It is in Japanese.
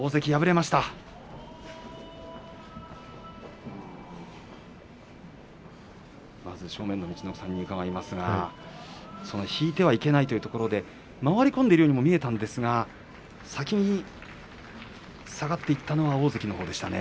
まず正面の陸奥さん引いてはいけないということで回り込んでいるように見えましたけれども先に下がっていったのは大関のほうでしたね。